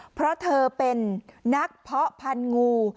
เพราะเธอเป็นนักเพาะพันธุ์งู